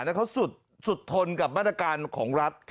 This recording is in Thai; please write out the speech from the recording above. แล้วเขาสุดทนกับมาตรการของรัฐ